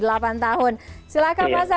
silahkan mas agus silahkan mas agus iya